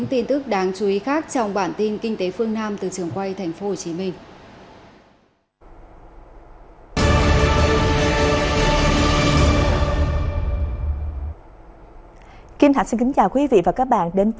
kim thạch xin kính chào quý vị và các bạn